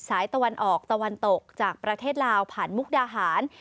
ตะวันออกตะวันตกจากประเทศลาวผ่านมุกดาหาร